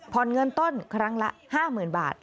เงินต้นครั้งละ๕๐๐๐บาท